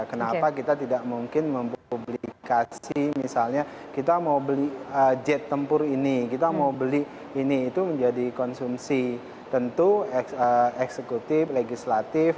kenapa kita tidak mungkin mempublikasi misalnya kita mau beli jet tempur ini kita mau beli ini itu menjadi konsumsi tentu eksekutif legislatif